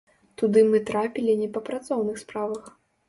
Туды мы трапілі не па працоўных справах.